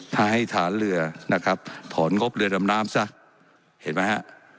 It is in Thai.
ถ้าให้ฐานเรือนะครับถอนงบเรือดำน้ำซะเห็นไหมฮะ